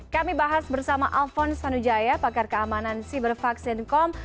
kami bahas bersama alphonse tanujaya pakar keamanan sibervaksin com